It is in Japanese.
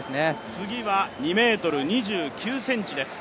次は２ｍ２９ｃｍです。